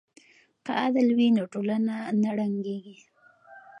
که عدل وي نو ټولنه نه ړنګیږي.